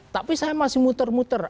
tapi saya masih muter muter